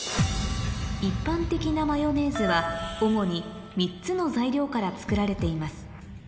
一般的なマヨネーズは主にから作られています